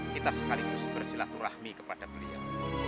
kita sekaligus bersilaturahmi kepada beliau